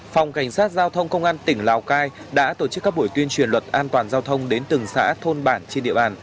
phòng cảnh sát giao thông công an tỉnh lào cai đã tổ chức các buổi tuyên truyền luật an toàn giao thông đến từng xã thôn bản trên địa bàn